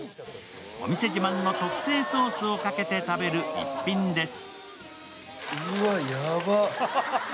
お店自慢の特製ソースをかけて食べる逸品です。